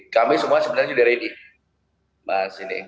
kami semua sebenarnya sudah siap